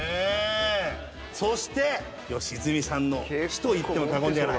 そして良純さんの師といっても過言じゃない。